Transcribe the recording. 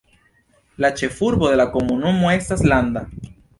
La ĉefurbo de la komunumo estas Landa.